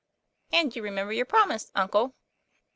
" And you remember your promise, uncle